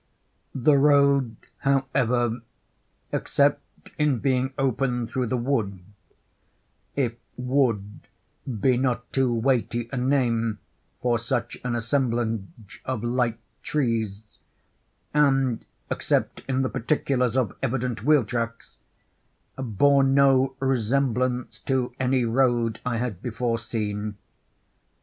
The road, however, except in being open through the wood—if wood be not too weighty a name for such an assemblage of light trees—and except in the particulars of evident wheel tracks—bore no resemblance to any road I had before seen.